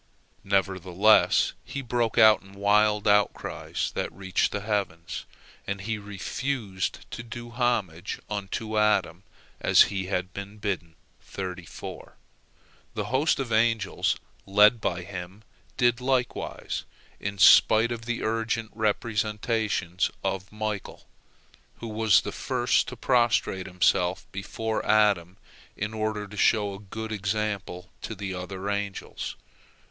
Nevertheless he broke out in wild outcries that reached the heavens, and he refused to do homage unto Adam as he had been bidden. The host of angels led by him did likewise, in spite of the urgent representations of Michael, who was the first to prostrate himself before Adam in order to show a good example to the other angels.